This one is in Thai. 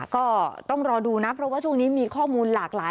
ก็ต้องรอดูนะเพราะว่าช่วงนี้มีข้อมูลหลากหลาย